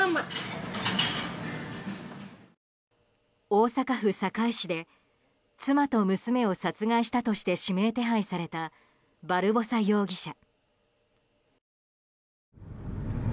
大阪府堺市で妻と娘を殺害したとして指名手配されたバルボサ容疑者。